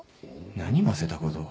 何ませたことを。